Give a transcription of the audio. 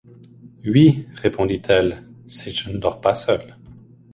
Oui, répondit-elle, si je ne dors pas seule.